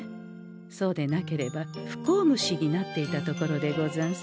そうでなければ不幸虫になっていたところでござんすから。